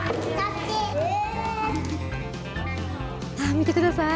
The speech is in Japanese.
見てください。